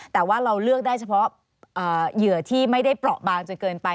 แต่ว่าเราเลือกได้เฉพาะเหยื่อที่ไม่ได้เปราะบางจนเกินไป